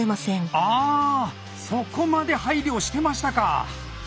あそこまで配慮をしてましたか！